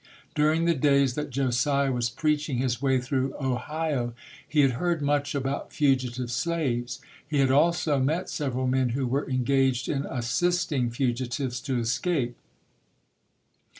During the days that Josiah was preaching his way through Ohio, he had heard much about fugi tive slaves. He had also met several men who were engaged in assisting fugitives to escape.